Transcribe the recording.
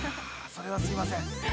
◆それはすいません。